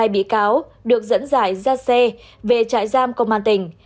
bị cáo được dẫn dải ra xe về trại giam công an tỉnh